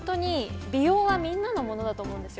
美容はみんなのものだと思うんです。